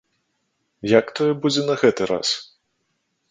Як тое будзе на гэты раз?